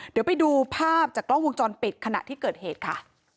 เดี๋ยวไปดูภาพจากกล้องวงจรปิดขณะที่เกิดเหตุค่ะ